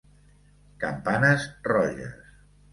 Campanes roges.